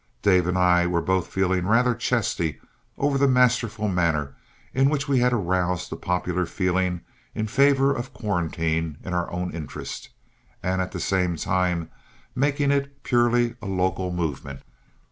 Dave and I were both feeling rather chesty over the masterful manner in which we had aroused the popular feeling in favor of quarantine in our own interest, at the same time making it purely a local movement.